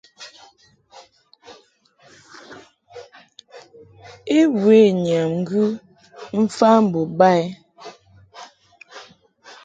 I we nyam ŋgɨ mfa mbo ba i.